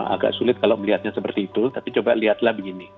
agak sulit kalau melihatnya seperti itu tapi coba lihatlah begini